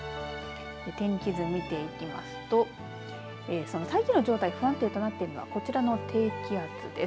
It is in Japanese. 天気図を見ていきますとその大気の状態不安定となっているのはこちらの低気圧です。